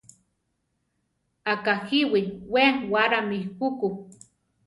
Akajíwi we warámi juku.